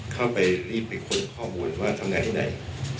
เข้าไปรีบไปค้นข้อมูลว่าทำงานที่ไหน